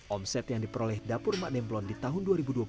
omset yang diperoleh dapur mak demplon di tahun dua ribu dua puluh